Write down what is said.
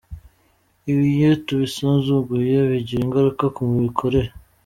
Ibi iyo tubisuzuguye bigira ingaruka ku mikorere”.